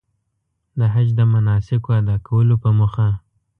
د حج د مناسکو ادا کولو په موخه.